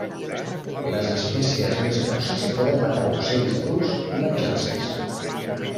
Les espècies més grosses poden matar ocells adults i menjar-se'ls.